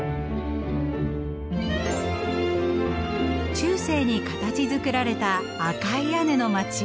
中世に形づくられた赤い屋根の街。